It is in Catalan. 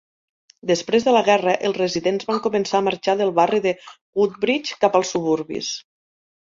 Després de la guerra, els residents van començar a marxar del barri de Woodbridge cap als suburbis.